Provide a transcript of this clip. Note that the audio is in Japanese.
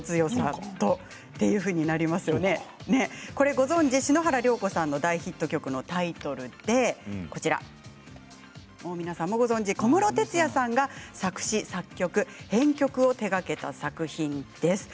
ご存じ、篠原涼子さんの大ヒット曲のタイトルで皆さんご存じ小室哲哉さんが作詞、作曲編曲を手がけた作品です。